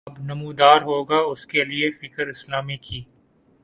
اب نمودار ہوگا اس کے لیے فکر اسلامی کی